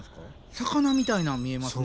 魚みたいなん見えますね。